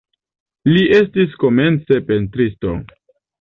Li estis komence pentristo.